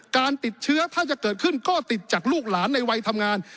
การติดเชื้อถ้าจะเกิดขึ้นก็ติดจากลูกหลานในวัยทำงาน